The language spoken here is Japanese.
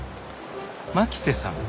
牧瀬さん